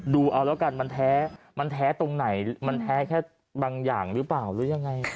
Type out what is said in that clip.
ดูเอาแล้วกันมันแท้มันแท้ตรงไหนมันแท้แค่บางอย่างหรือเปล่าหรือยังไง